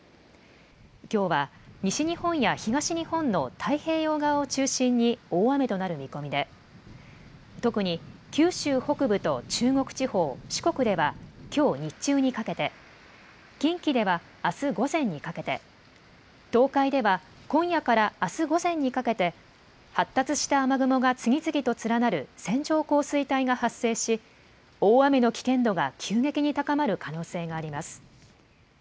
きょうは西日本や東日本の太平洋側を中心に大雨となる見込みで、特に九州北部と中国地方、四国では、きょう日中にかけて、近畿ではあす午前にかけて、東海では今夜からあす午前にかけて、発達した雨雲が次々と連なる線状降水帯が発生し、大雨の危険度が急激に高まる可能性があります。